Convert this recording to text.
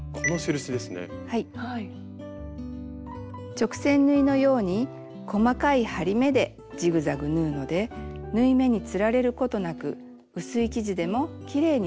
直線縫いのように細かい針目でジグザグ縫うので縫い目につられることなく薄い生地でもきれいに縫えます。